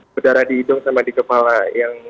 berdarah di hidung sama di kepala yang